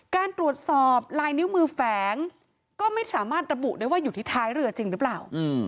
การตรวจสอบลายนิ้วมือแฝงก็ไม่สามารถระบุได้ว่าอยู่ที่ท้ายเรือจริงหรือเปล่า